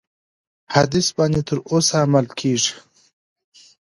حدیث باندي تر اوسه عمل کیږي.